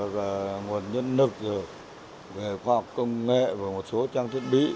về nguồn nhân lực về khoa học công nghệ và một số trang thiết bị